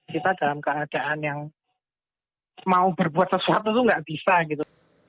kita dalam keadaan yang mau berbuat sesuatu itu nggak bisa gitu